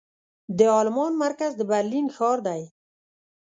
د المان مرکز د برلين ښار دې.